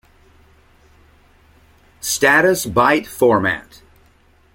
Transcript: Status byte format.